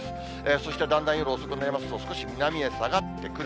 そしてだんだん夜遅くになりますと、少し南へ下がってくる。